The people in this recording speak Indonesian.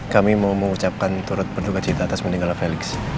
kami mau mengucapkan turut berdua cinta atas meninggal felix